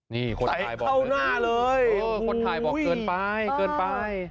นี่คนถ่ายบอกหน้าเลยคนถ่ายบอกเกินไปเกินไป